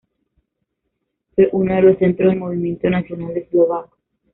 Fue uno de los centros del Movimiento Nacional Eslovaco.